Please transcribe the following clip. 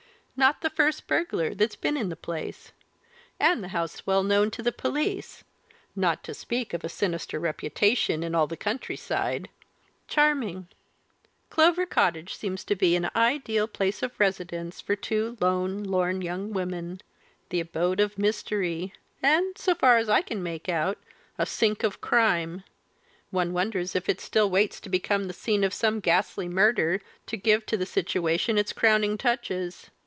Not the first burglar that's been in the place! And the house well known to the police not to speak of a sinister reputation in all the country side! Charming! Clover Cottage seems to be an ideal place of residence for two lone, lorn young women. The abode of mystery, and, so far as I can make out, a sink of crime, one wonders if it still waits to become the scene of some ghastly murder to give to the situation its crowning touches.